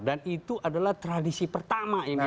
dan itu adalah tradisi pertama yang dilakukan